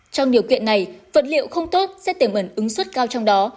trong điều kiện này vật liệu không tốt sẽ tiềm ẩn ứng suất cao trong đó